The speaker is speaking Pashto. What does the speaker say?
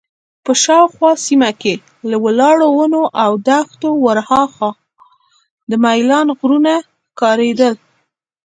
په شاوخوا سیمه کې له ولاړو ونو او دښتې ورهاخوا د میلان غرونه ښکارېدل.